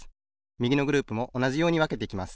みぎのグループもおなじようにわけていきます。